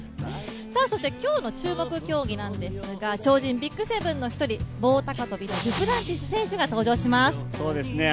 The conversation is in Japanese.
そして今日の注目競技なんですが超人ＢＩＧ７の一人棒高跳びのデュプランティス選手が登場します。